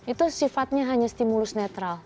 itu sifatnya hanya stimulus netral